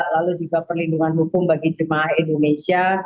lalu juga perlindungan hukum bagi jemaah indonesia